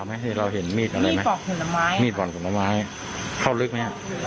เข้าลึกไหมก็ลึกพอสมควรแหละกันเลยนะ